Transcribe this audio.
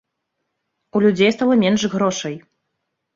У людзей стала менш грошай.